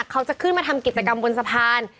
เขาจะขึ้นมาทำกิจกรรมบนสะพาน